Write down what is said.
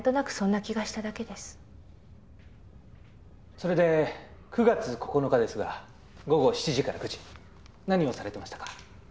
それで９月９日ですが午後７時から９時何をされてましたか？